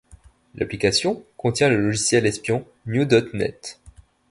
L'application contient le logiciel espion New.net.